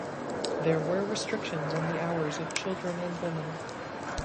There were restrictions on the hours of children and women.